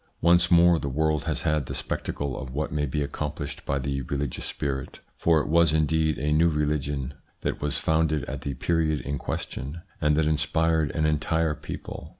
Once more the world has had the spectacle of what may be accomplished by the religious spirit, for it was indeed a new religion that was founded at the period in question, and that inspired an entire people.